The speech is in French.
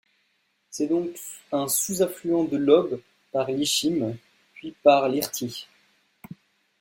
C'est donc un sous-affluent de l'Ob par l'Ichim, puis par l'Irtych.